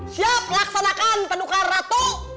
siap laksanakan pendukar ratu